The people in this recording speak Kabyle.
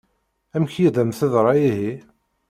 Amek i d-am-teḍṛa ihi?